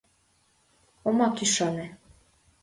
— Омак ӱшане!